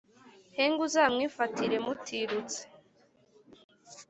Henga uzamwifatire mutirutse